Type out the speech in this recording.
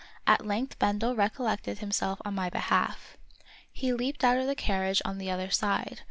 At length Bendel recollected himself on my behalf. He leaped out of the carriage on the other side.